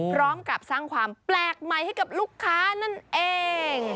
พร้อมกับสร้างความแปลกใหม่ให้กับลูกค้านั่นเอง